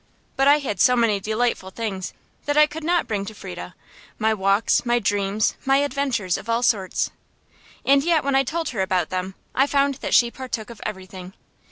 But I had so many delightful things that I could not bring to Frieda my walks, my dreams, my adventures of all sorts. And yet when I told her about them, I found that she partook of everything.